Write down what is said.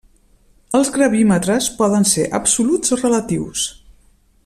Els gravímetres poden ser absoluts o relatius.